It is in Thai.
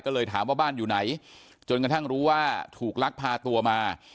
ก็เลยถามว่าบ้านอยู่ไหนจนกระทั่งรู้ว่าถูกลักพาตัวมา